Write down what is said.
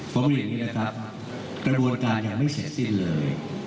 ผมต้องเรียนอย่างนี้นะครับกระบวนการยังไม่เสร็จสิ้นเลย